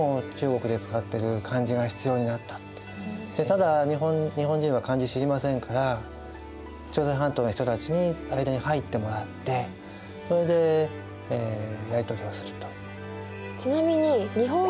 ただ日本人は漢字知りませんから朝鮮半島の人たちに間に入ってもらってそれでやり取りをすると。